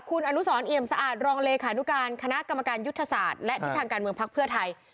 คุณอนุสรเอี่ยมสะอาดรองเลขานุการคณะกรรมการยุทธศาสตร์และทิศทางการเมืองพักเพื่อไทย